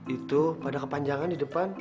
itu pada kepanjangan di depan